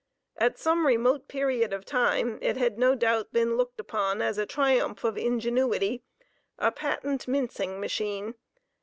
At some remote period of time it had no doubt been looked upon as a triumph of ingenuity, a patent mincing machine.